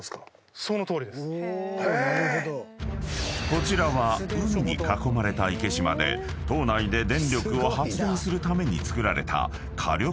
［こちらは海に囲まれた池島で島内で電力を発電するために造られた］